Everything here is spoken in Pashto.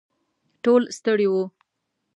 ټول ستړي وو.